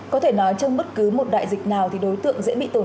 có thể nói trong bất cứ một đại dịch nào thì đối tượng dễ bị tổn